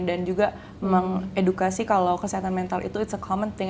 dan juga mengedukasi kalau kesehatan mental itu it's a common thing